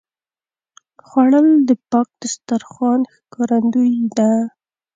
خوړل د پاک دسترخوان ښکارندویي ده